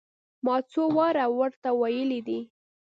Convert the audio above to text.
ما څو واره ور ته ويلي دي.